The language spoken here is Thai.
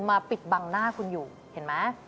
มาปิดบังหน้าคุณอยู่เห็นไหม